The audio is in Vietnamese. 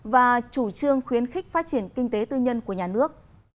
và chủ trương khuyến khích phát triển kinh tế tư nhân của nhà nước